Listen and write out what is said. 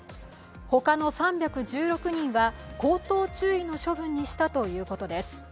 他の３１６人は口頭注意の処分にしたということです。